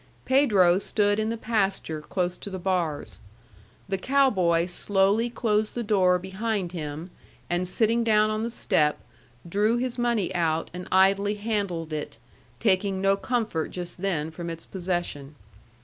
Pedro stood in the pasture close to the bars. The cow boy slowly closed the door behind him, and sitting down on the step, drew his money out and idly handled it, taking no comfort just then from its possession.